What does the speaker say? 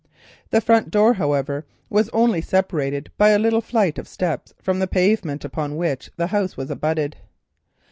The front door, however, was only separated by a little flight of steps from the pavement upon which the house abutted.